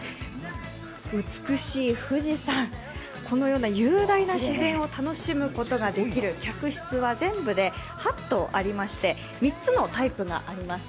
美しい富士山、このような雄大な自然を楽しむことができる客室は全部で８棟ありまして３つのタイプがあります